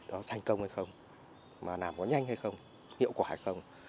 nó thành công hay không mà làm có nhanh hay không hiệu quả hay không